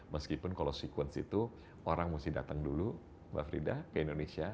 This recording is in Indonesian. meskipun kalau sekuens itu orang mesti datang dulu mbak frida ke indonesia